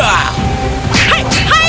kau harus menangguhkan diri